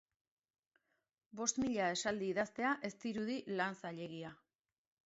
Bost mila esaldi idaztea ez dirudi lan zailegia.